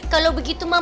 kalau begitu pak rete